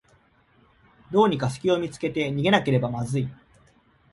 どうにかすきを見つけて逃げなければまずい